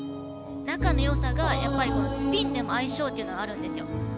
仲のよさがやっぱりスピンでも相性というのがあるんですよ。